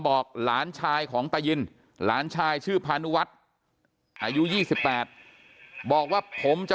บอกหลานชายของตายินหลานชายชื่อพานุวัฒน์อายุ๒๘บอกว่าผมจะ